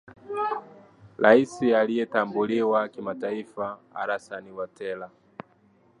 rais anayetambuliwa kimataifa alasan watera